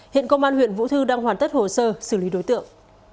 hiện công an huyện vũ thư đang hoàn tất hồ sơ xử lý đối tượng